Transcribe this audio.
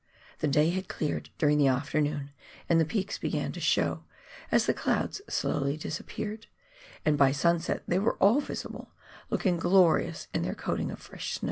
The day had cleared during the after noon, and the peaks began to show, as the clouds slowly dispersed, and by sunset they were all visible, looking glorious in their coating of fresh snow.